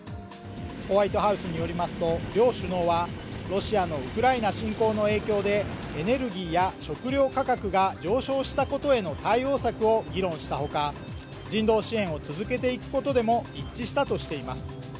ホワイトハウスによりますと両首脳はロシアのウクライナ侵攻の影響でエネルギーや食料価格が上昇したことへの対応策を議論したほか、人道支援を続けていくことでも一致したとしています。